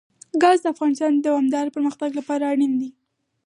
ګاز د افغانستان د دوامداره پرمختګ لپاره اړین دي.